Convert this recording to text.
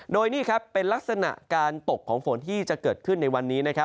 โดยนี่ครับเป็นลักษณะการตกของฝนที่จะเกิดขึ้นในวันนี้